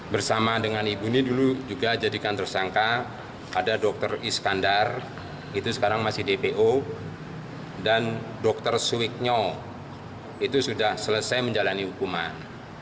bersama dengan ibu ini dulu juga jadikan tersangka ada dr iskandar itu sekarang masih dpo dan dr suiknyo itu sudah selesai menjalani hukuman